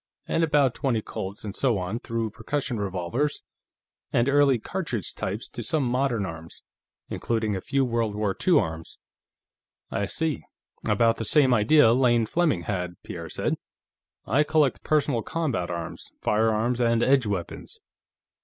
And about twenty Colts, and so on through percussion revolvers and early cartridge types to some modern arms, including a few World War II arms." "I see; about the same idea Lane Fleming had," Pierre said. "I collect personal combat arms, firearms and edge weapons.